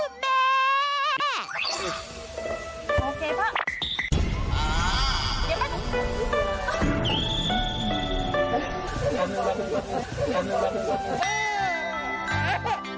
โลเคชันสุดร้าวใจยิ่งใหญ่มีสิ่งโตโอพี่แม่